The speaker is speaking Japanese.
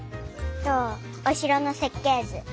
おしろのせっけいず。